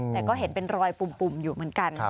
แต่ก็เห็นเป็นรอยปุ่มอยู่เหมือนกัน